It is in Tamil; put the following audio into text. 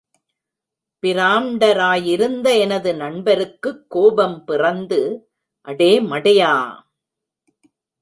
பிராம்டாராயிருந்த எனது நண்பருக்குக் கோபம் பிறந்து, அடே மடையா!